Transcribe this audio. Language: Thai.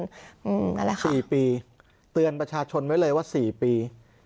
นั่นแหละค่ะ๔ปีเตือนประชาชนไว้เลยว่า๔ปี